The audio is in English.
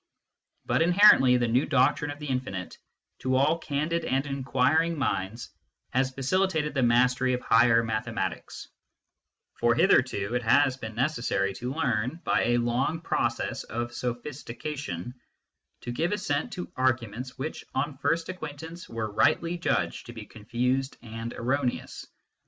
But inherently, the new doctrine of the infinite, to all candid and inquiring minds, has facilitated the mastery of higher mathematics ; for hitherto, it has been necessary to learn, by a long process of sophistication, to give assent to arguments which, on first acquaintance, were rightly judged to be confused and erroneous.